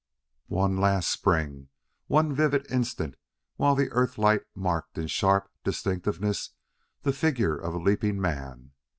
One last spring, one vivid instant while the Earth light marked in sharp distinctness the figure of a leaping man!